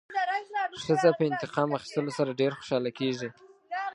ښځه په انتقام اخیستلو سره ډېره خوشحاله کېږي.